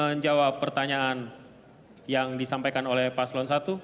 menjawab pertanyaan yang disampaikan oleh paslon satu